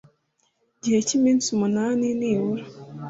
gihe cy iminsi umunani nibura